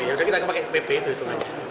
jadi kita pakai pp itu hitungannya